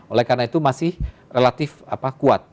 oleh karena itu masih relatif kuat